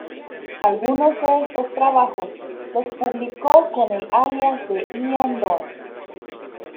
Algunos de estos trabajos los publicó con el alias de "Ian Don".